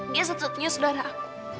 dia sejujurnya saudara aku